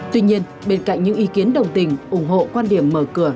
tuy nhiên bên cạnh những ý kiến đồng tình ủng hộ quan điểm mở cửa